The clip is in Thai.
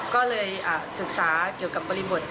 ก็เลยศึกษาเกี่ยวกับบริบท